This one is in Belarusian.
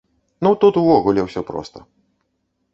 Ну тут увогуле ўсё проста.